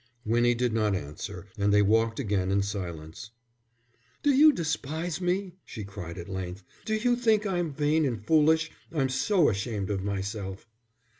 Winnie did not answer, and they walked again in silence. "Do you despise me?" she cried at length. "Do you think I'm vain and foolish? I'm so ashamed of myself."